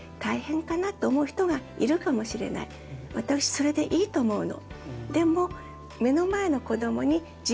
それでいいと思うの。